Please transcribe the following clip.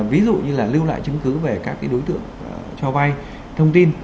ví dụ như là lưu lại chứng cứ về các đối tượng cho vay thông tin